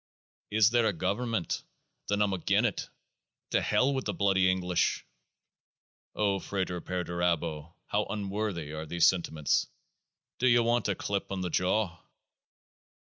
Is there is a Government? then I'm agin it ! To Hell with the bloody English !" O FRATER PERDURABO, how unworthy are these sentiments !"" D'ye want a clip on the jaw?